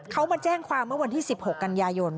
เขามาแจ้งความเมื่อวันที่๑๖กันยายน